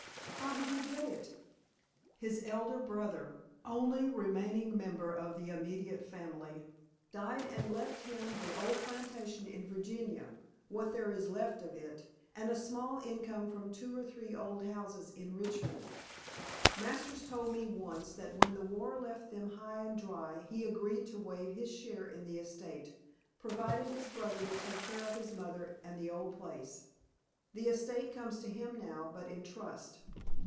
"How did he get it?" "His elder brother only remaining member of the immediate family died and left him the old plantation in Virgina what there is left of it; and a small income from two or three old houses in Richmond. Masters told me once that when the war left them high and dry he agreed to waive his share in the estate provided his brother would take care of his mother and the old place. The estate comes to him now, but in trust.